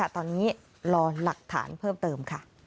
ตอนนี้รอหลักฐานเพิ่มเติม